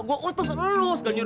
gue utus lu segalanya